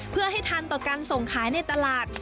เพื่อให้ทันต่อการส่งขายในตลาด